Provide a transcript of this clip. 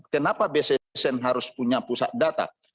kenapa bssn harus punya pusat data